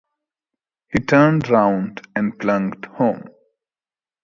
He turned round and plunged home.